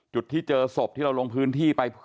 จุดที่เจอศพที่เราลงพื้นที่ไป